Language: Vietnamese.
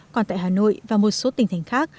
còn tại hà nội và một số tỉnh thành khác